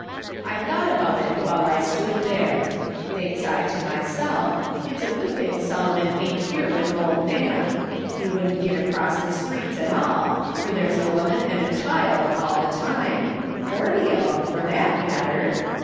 I thought about it while I stood there. Thinks I to myself, ' It's a good thing Solomon ain't here with old Nan. He vrouldn't git across the streets at all, for there's a %voman and a child all the time ; forty of 'em, for that matter.'